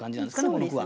この句は。